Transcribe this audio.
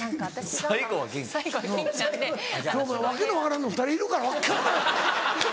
訳の分からんの２人いるから訳分からん。